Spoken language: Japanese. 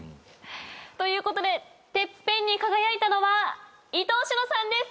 ということでＴＥＰＰＥＮに輝いたのは伊藤詩乃さんです！